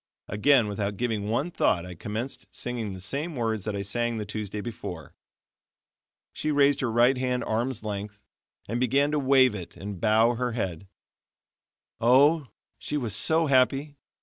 Again, without giving one thought, I commenced singing the same words that I sang the Tuesday before. She raised her right hand arm's length, and began to wave it and bow her head. Oh! she was so happy.